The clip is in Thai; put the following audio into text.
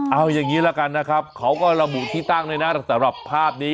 เอาอย่างนี้ละกันนะครับเขาก็ระบุที่ตั้งด้วยนะสำหรับภาพนี้